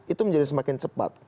itu menjadi semakin cepat